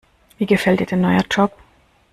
Wie gefällt dir dein neuer Job?